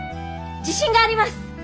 自信があります。